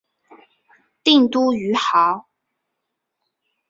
定都于亳。